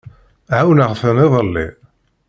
Ɛawneɣ-ten iḍelli.